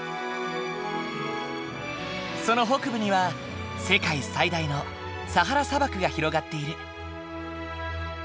その北部には世界最大のサハラ砂漠が広がっている。